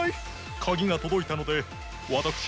カギがとどいたのでわたくし